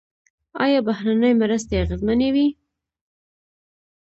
آیا بهرنۍ مرستې اغیزمنې وې؟